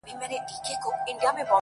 مينه چې نه وه اندېښنه مې نه وه